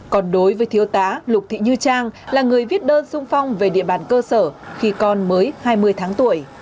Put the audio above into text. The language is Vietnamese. còn đối với thiếu tá lục thị như trang là người viết đơn sung phong về địa bàn cơ sở khi con mới hai mươi tháng tuổi